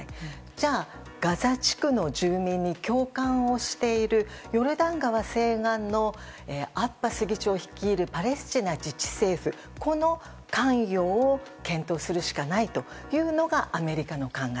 じゃあ、ガザ地区の住民に共感をしているヨルダン側西岸のアッバス議長率いる自治政府この関与を検討するしかないというのがアメリカの考え。